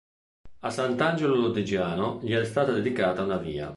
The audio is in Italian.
A Sant'Angelo Lodigiano gli è stata dedicata una via.